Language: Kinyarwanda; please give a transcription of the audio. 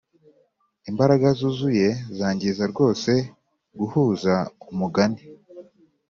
imbaraga zuzuye zangiza rwose guhuza umugani